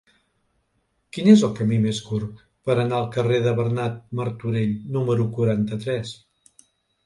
Quin és el camí més curt per anar al carrer de Bernat Martorell número quaranta-tres?